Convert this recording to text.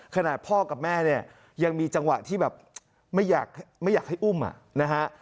ขนาดพ่อกับแม่เนี่ยยังมีจังหวะที่แบบไม่อยากให้อุ้มนะฮะ